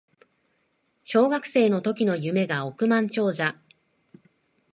小学生の時の夢が億万長者